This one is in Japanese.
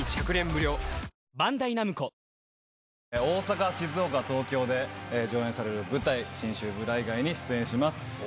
大阪静岡東京で上演される舞台『神州無頼街』に出演します。